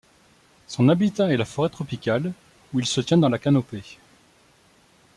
Son habitat est la forêt tropicale où il se tient dans la canopée.